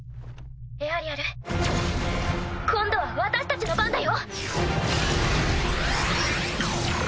エアリアル今度は私たちの番だよ。